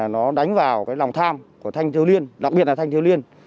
nó đánh vào lòng tham của thanh thiếu liên đặc biệt là thanh thiếu liên